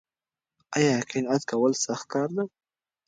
ایا قناعت کول سخت کار دی؟